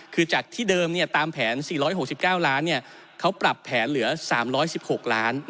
คือจากที่เดิมตามแผน๔๖๙ล้านเขาปรับแผนเหลือ๓๑๖ล้าน